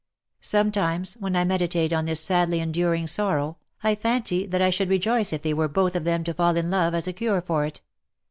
Sometimes, when I meditate on this sadly en during sorrow, I fancy that I should rejoice if they were both of them to fall in love, as a cure for it.